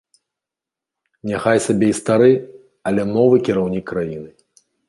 Няхай сабе і стары, але новы кіраўнік краіны.